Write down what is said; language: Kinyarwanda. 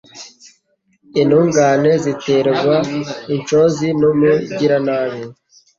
Intungane ziterwa ishozi n’umugiranabi